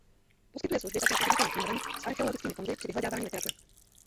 Poskytuje služby také uživatelům knihoven s archeologickými fondy při vyhledávání literatury.